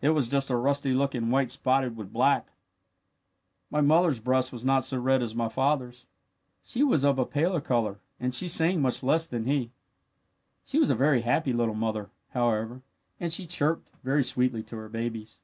It was just a rusty looking white spotted with black. "My mother's breast was not so red as my father's. She was of a paler colour and she sang much less than he. She was a very happy little mother, however, and she chirped very sweetly to her babies.